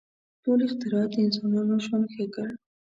• ټول اختراعات د انسانانو ژوند ښه کړ.